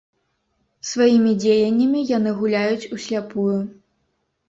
Сваімі дзеяннямі яны гуляюць усляпую.